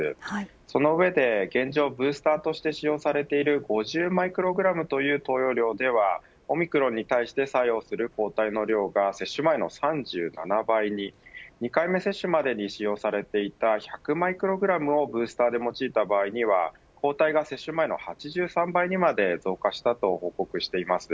その上で現状、ブースターとして使用されている５０マイクログラムという投与量ではオミクロンに対して作用する抗体の量が接種前の３７倍に２回目接種までに使用されていた１００マイクログラムをブースターで用いた場合には抗体が接種前の８３倍にまで増加したと報告しています。